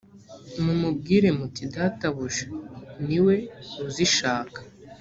mumubwire muti databuja ni we uzishaka .